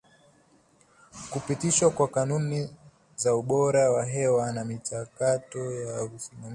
kupitishwa kwa kanuni za ubora wa hewa na michakato ya usimamizi